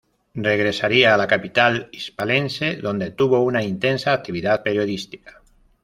Regresaría a la capital hispalense, donde tuvo una intensa actividad periodística.